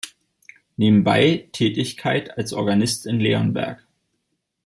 Nebenbei Tätigkeit als Organist in Leonberg.